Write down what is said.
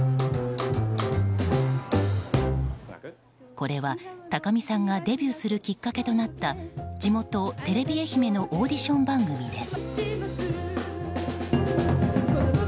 これは、高見さんがデビューするきっかけとなった地元テレビ愛媛のオーディション番組です。